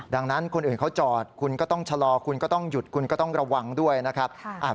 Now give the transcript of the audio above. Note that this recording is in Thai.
ดังนั้นคนอื่นเขาจอดคุณก็ต้องชะลอคุณก็ต้องหยุดคุณก็ต้องระวังด้วยนะครับ